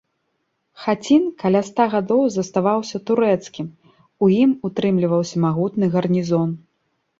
Хацін каля ста гадоў заставаўся турэцкім, у ім утрымліваўся магутны гарнізон.